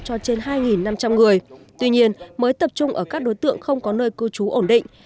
cho trên hai năm trăm linh người tuy nhiên mới tập trung ở các đối tượng không có nơi cư trú ổn định